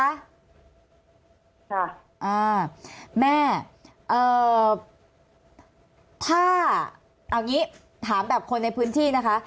ค่ะแม่ถ้าเอาอย่างนี้ถามแบบคนในพื้นที่นะคะ